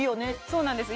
そうなんです